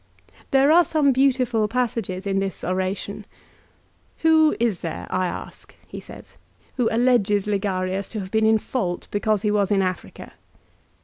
There are some beautiful passages in this oration. " Who is there, I ask," he says, " who alleges Ligarius to have been in fault because he was in Africa